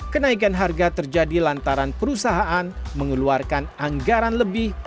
kenaikan harga terjadi lantaran perusahaan mengeluarkan anggaran lebih